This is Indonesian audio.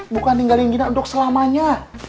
bukan tinggalin gina untuk selamanya